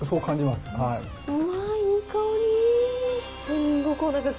うわー、いい香り。